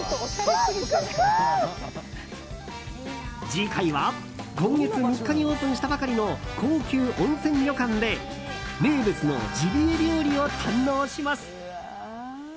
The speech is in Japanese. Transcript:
次回は今月３日にオープンしたばかりの高級温泉旅館で名物のジビエ料理を堪能します。